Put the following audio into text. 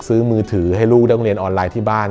มือถือให้ลูกนักเรียนออนไลน์ที่บ้าน